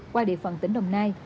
qua địa phận tỉnh đồng nai